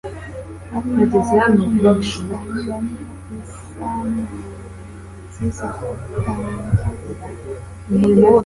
aho imbaraga zumuntu zirangirira niho iz'imanz zitangirira